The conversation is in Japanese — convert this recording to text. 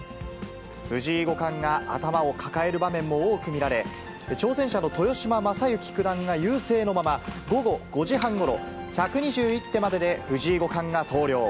藤井五冠が頭を抱える場面も多く見られ、挑戦者の豊島将之九段が優勢のまま、午後５時半ごろ、１２１手までで藤井五冠が投了。